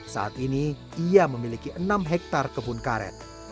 saat ini ia memiliki enam hektare kebun karet